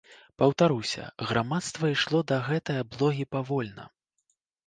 Паўтаруся, грамадства ішло да гэтай аблогі павольна.